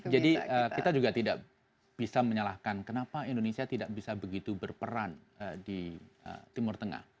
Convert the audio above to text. jadi kita juga tidak bisa menyalahkan kenapa indonesia tidak bisa begitu berperan di timur tengah